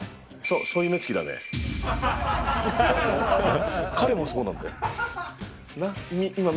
そういう目つきだめ。